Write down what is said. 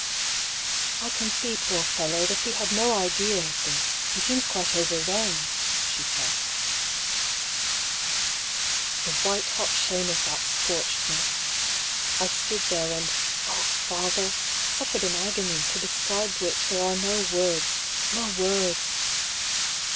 " I can see, poor fellow ! that he had no idea of this, he seems quite overwhelmed," she said. The white hot shame of that scorched me. I stood there and — oh, father !— suffered an agony, to describe which there are no words — ^no words